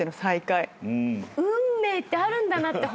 運命ってあるんだなって